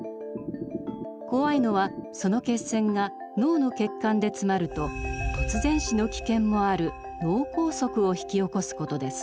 怖いのはその血栓が脳の血管で詰まると突然死の危険もある脳梗塞を引き起こすことです。